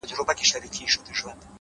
ستا له خندا نه الهامونه د غزل را اوري!!